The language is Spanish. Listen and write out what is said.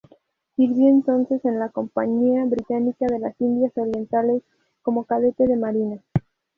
Sirvió entonces en la Compañía Británica de las Indias Orientales como cadete de marina.